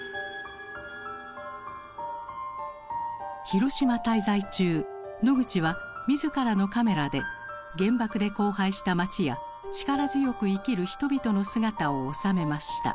広島滞在中ノグチは自らのカメラで原爆で荒廃した街や力強く生きる人々の姿を収めました。